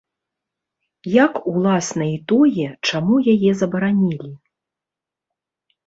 Як, уласна, і тое, чаму яе забаранілі.